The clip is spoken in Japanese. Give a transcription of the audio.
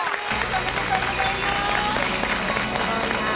おめでとうございます。